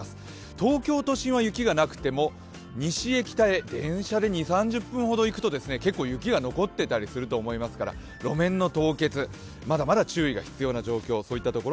東京都心は雪がなくても西へ北へ、電車で２０３０分ほど行くと雪が残っているところがありますから路面の凍結、まだまだ注意が必要な状況、そういったところ